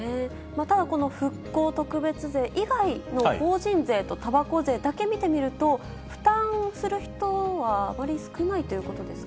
ただ、この復興特別税以外の法人税とたばこ税だけ見てみると、負担する人はあまり少ないということですか？